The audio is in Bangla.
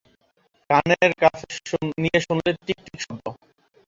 কানের কাছে নিয়ে শুনলে টিকটিক শব্দ।